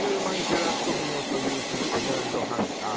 キャラット分を所有するエメラルドハンター